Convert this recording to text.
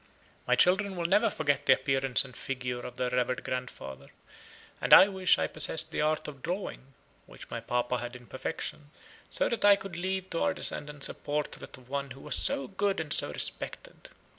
My children will never forget the appearance and figure of their revered grandfather; and I wish I possessed the art of drawing (which my papa had in perfection), so that I could leave to our descendants a portrait of one who was so good and so respected.